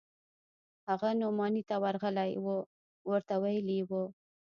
هغه نعماني ته ورغلى و ورته ويلي يې و.